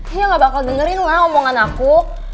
dia gak bakal dengerin mana omongan aku